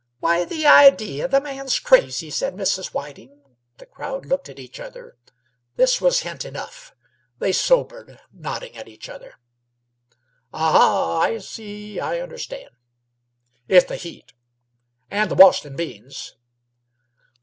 "Why, the idea! The man's crazy!" said Mrs. Whiting. The crowd looked at each other. This was hint enough; they sobered, nodding at each other commiseratingly. "Aha! I see; I understand." "It's the heat." "And the Boston beans."